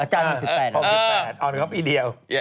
อาจารย์๖๘หรอ